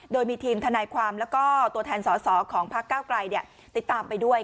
โดยมีทีมทนายความแล้วก็ตัวแทนสอสอของพักเก้าไกลติดตามไปด้วย